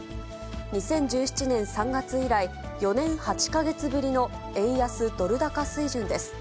２０１７年３月以来、４年８か月ぶりの円安ドル高水準です。